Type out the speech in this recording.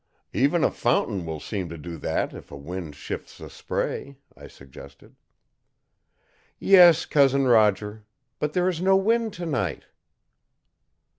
"Even a fountain will seem to do that if a wind shifts the spray," I suggested. "Yes, Cousin Roger. But there is no wind tonight."